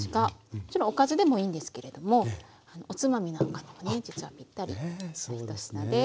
もちろんおかずでもいいんですけれどもおつまみなんかにもね実はぴったりの１品です。